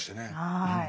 はい。